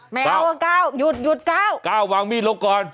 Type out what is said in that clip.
ไม่เอาก้าวหยุดเย็นก้าวก้าววางมีดลงก่อน